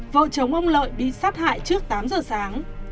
vợ chống ông lợi bị sát hại trước tám giờ sáng